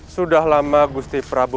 sudah lama gusti prabu